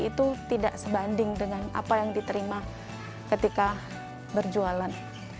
itu tidak sebanding dengan apa yang diterima ketika berjualan